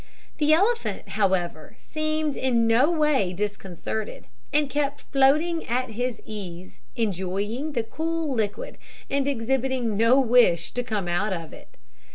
The elephant, however, seemed in no way disconcerted, and kept floating at his ease, enjoying the cool liquid, and exhibiting no wish to come out of it.